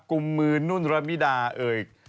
กลุ่มมือนุ่นระมิดาเอ่ย